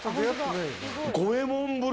五右衛門風呂？